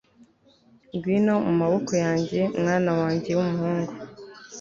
Ngwino mu maboko yanjye mwana wanjye wumuhungu